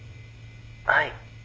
☎はい。